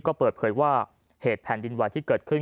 ก็เปิดเผยว่าเหตุแผ่นดินไหวที่เกิดขึ้น